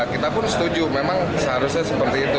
kita pun setuju memang seharusnya seperti itu